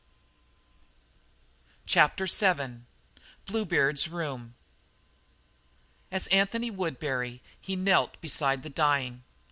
CHAPTER VII BLUEBEARD'S ROOM As Anthony Woodbury, he knelt beside the dying.